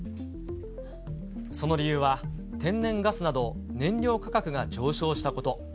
その理由は、天然ガスなど、燃料価格が上昇したこと。